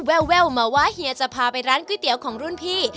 แววมาว่าเฮียจะพาไปร้านก๋วยเตี๋ยวของรุ่นพี่